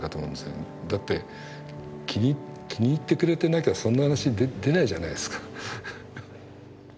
だって気に入ってくれてなきゃそんな話出ないじゃないですか。